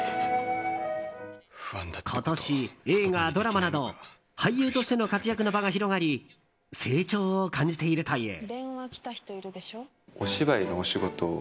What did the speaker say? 今年、映画ドラマなど俳優としての活躍の場が広がり成長を感じているという。